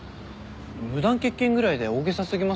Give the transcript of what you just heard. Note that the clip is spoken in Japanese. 無断欠勤ぐらいで大げさ過ぎません？